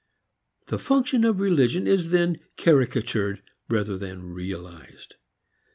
The function of religion is then caricatured rather than realized.